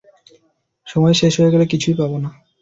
সময় শেষ হয়ে গেলে কিছুই পাবো না।